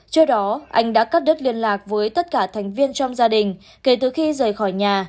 trước đó anh đã cắt đứt liên lạc với tất cả thành viên trong gia đình kể từ khi rời khỏi nhà